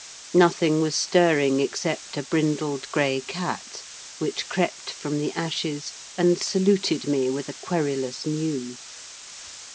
Nothing was stirring except a brindled, grey cat, which crept from the ashes, and saluted me with a querulous mew.